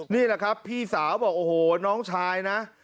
นี่แหละครับพี่สาวบอกโอ้โหน้องชายนะ